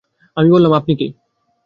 আমি বললাম, আপনি কে?